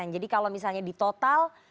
jadi kalau misalnya di total